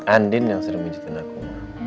andin yang sering menjadi aku